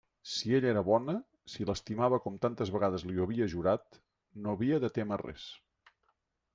Si ella era bona, si l'estimava com tantes vegades li ho havia jurat, no havia de témer res.